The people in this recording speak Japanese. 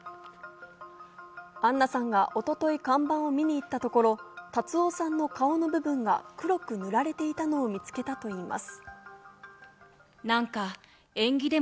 アンナさんが一昨日看板を見に行ったところ、辰夫さんの顔の部分が黒く塗られていたのを見つけたといいます。